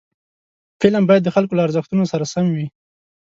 فلم باید د خلکو له ارزښتونو سره سم وي